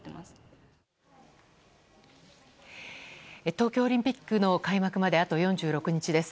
東京オリンピックの開幕まであと４６日です。